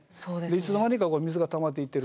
いつの間にか水がたまっていってると。